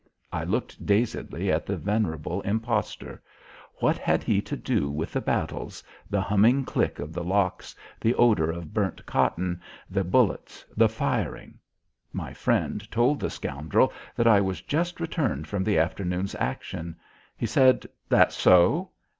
I looked dazedly at the venerable impostor. What had he to do with battles the humming click of the locks, the odour of burnt cotton, the bullets, the firing? My friend told the scoundrel that I was just returned from the afternoon's action. He said: "That so?"